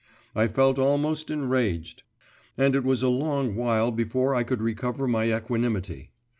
I felt almost enraged, and it was a long while before I could recover my equanimity.